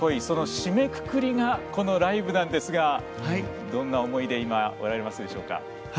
その締めくくりがこのライブなんですがどんな思いでおられますでしょうか。